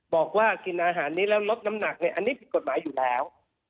บอกว่ากินอาหารนี้แล้วลดน้ำหนักอันนี้ผิดกฎหมายอยู่แล้ว